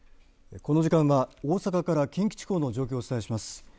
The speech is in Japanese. この時間は大阪から近畿地方の状況をお伝えします。